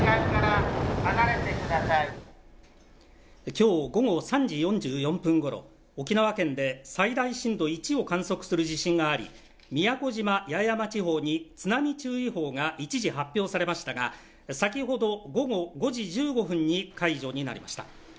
今日午後３時４４分ごろ沖縄県で最大震度１を観測する地震があり宮古島・八重山地方に津波注意報が一時発表されましたが、先ほど午後５時１５分に解除になりました。